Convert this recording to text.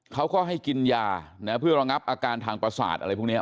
เขาก็ให้กินยาเพื่อระงับอาการทางประสาทอะไรพวกนี้